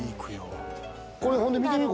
これ、ほんで見てみ。